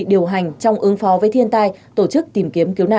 điều hành trong ứng phó với thiên tai tổ chức tìm kiếm cứu nạn